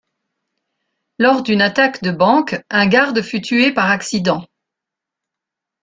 Lors d'une attaque de banque, un garde fut tué par accident.